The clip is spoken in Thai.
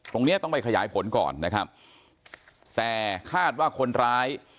ตรงนี้ต้องไปขยายผลก่อนแต่คาดว่าคนร้าย